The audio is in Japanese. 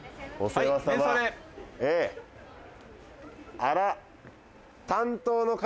あら！